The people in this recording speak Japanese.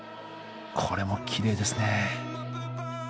これもきれいですね。